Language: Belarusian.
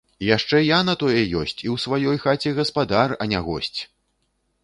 Яшчэ я на тое ёсць, і ў сваёй хаце гаспадар, а не госць!